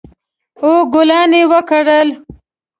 او ګلان یې وکرل